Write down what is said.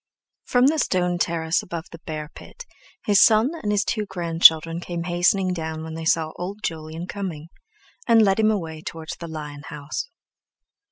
From the stone terrace above the bear pit his son and his two grandchildren came hastening down when they saw old Jolyon coming, and led him away towards the lion house.